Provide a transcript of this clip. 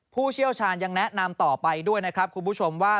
ผู้เชี่ยวชาญยังแนะนำต่อไปด้วยนะครับคุณผู้ชมว่า